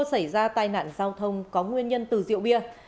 xảy ra tai nạn giao thông có nguyên nhân từ rượu bia